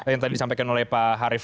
yang tadi disampaikan oleh pak harif